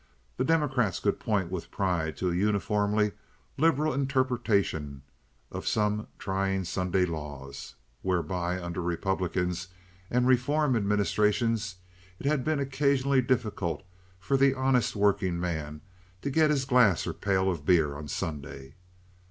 The Democrats could point with pride to a uniformly liberal interpretation of some trying Sunday laws, whereby under Republican and reform administrations it had been occasionally difficult for the honest working man to get his glass or pail of beer on Sunday.